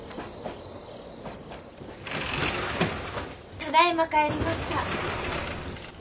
ただいま帰りました。